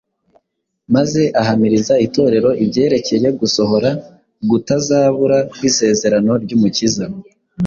maze ahamiriza Itorero ibyerekeye gusohora gutazabura kw’isezerano ry’Umukiza